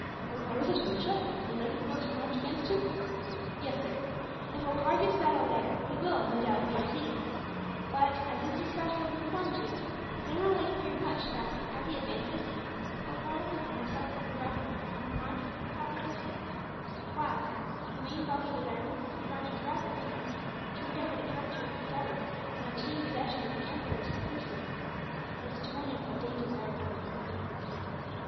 "Holkar is at Muttra, and Lake is about to march against him?" "Yes, sir. If Holkar gives battle there he will, no doubt, be defeated but, as this despatch will have informed you, General Lake feared much that, as he advances, Holkar will content himself with harassing him on the march with a cloud of horsemen while, with the main body of his army, he marches rapidly north, to endeavour to recapture Delhi and obtain possession of the Emperor's person. It is to warn you of that danger that I have ridden here."